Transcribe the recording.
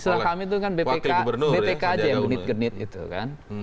kalau misalnya kami itu kan bpk bpk aja yang genit genit gitu kan